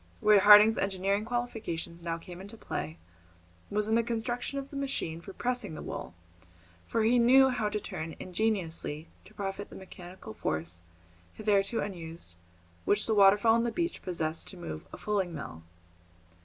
Where Harding's engineering qualifications now came into play was in the construction of the machine for pressing the wool, for he knew how to turn ingeniously to profit the mechanical force, hitherto unused, which the waterfall on the beach possessed to move a fulling mill.